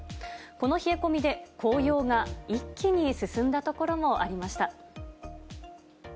この冷え込みで、紅葉が一気に進んだ所もありました。